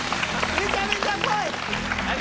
めちゃめちゃ怖い！